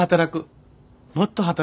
もっと働く。